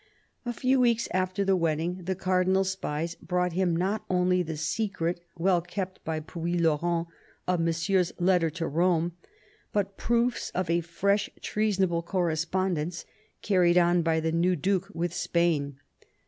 A few weeks after the wedding the Cardinal's spies brought him not only the secret, well kept by Puylaurens, of Monsieur's letter to Rome, but proofs of a fresh treason able correspondence carried on by the new Duke with Spain.